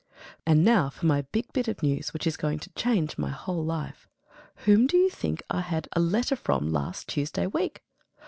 And now for my big bit of news which is going to change my whole life. Whom do you think I had a letter from last Tuesday week?